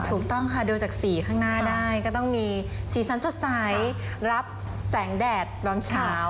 ถูกต้องค่ะดูจากสีข้างหน้าได้ก็ต้องมีสีสันสดใสรับแสงแดดตอนเช้า